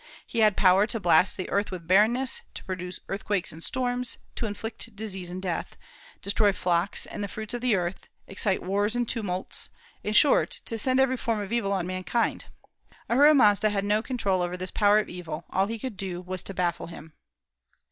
He had power to blast the earth with barrenness, to produce earthquakes and storms, to inflict disease and death, destroy flocks and the fruits of the earth, excite wars and tumults; in short, to send every form of evil on mankind. Ahura Mazda had no control over this Power of evil; all he could do was to baffle him.